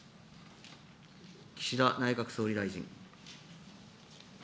岸田内閣総理大臣。